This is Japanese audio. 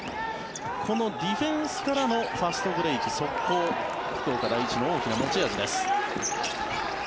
このディフェンスからもファストブレーク、速攻福岡第一の大きな持ち味です。